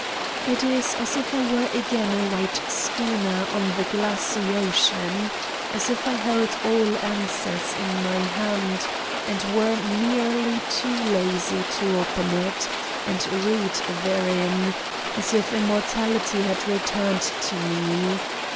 It is as if I were again a white schooner on the 156 Satan's Diary glassy ocean; as if I held all answers in my hand and were merely too lazy to open it and read there in, as if immortality had returned to me